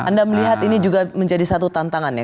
anda melihat ini juga menjadi satu tantangan ya